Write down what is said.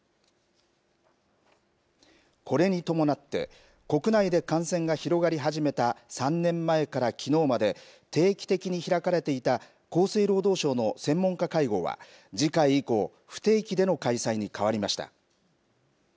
これに伴って国内で感染が広がり始めた３年前から、きのうまで定期的に開かれていた厚生労働省の専門家会合は次回以降不定期での開催に変わりました。